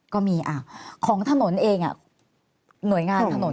ก็มีของถนนเองหน่วยงานถนน